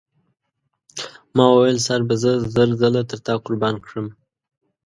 ما وویل سر به زه زر ځله تر تا قربان کړم.